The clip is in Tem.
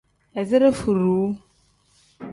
Izire furuu.